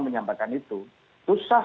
menyampaikan itu itu sah